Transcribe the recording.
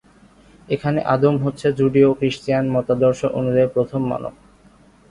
এখানে আদম হচ্ছে জুডিও-ক্রিশ্চিয়ান মতাদর্শ অনুযায়ী প্রথম মানব।